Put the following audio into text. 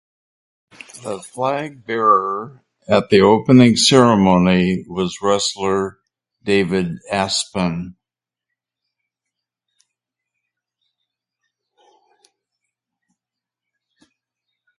The flag bearer at the opening ceremony was wrestler David Aspin.